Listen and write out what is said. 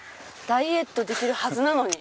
ダイエットできるはずなのに。